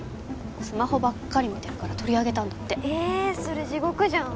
スマホばっかり見てるから取り上げたんだってえそれ地獄じゃん